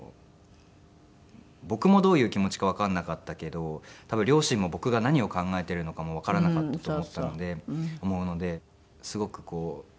僕もどういう気持ちかわからなかったけど多分両親も僕が何を考えているのかもわからなかったと思うのですごく怒られましたけど。